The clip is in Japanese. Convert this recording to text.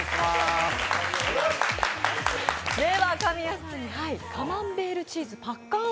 神谷さんにカマンベールチーズぱっかーん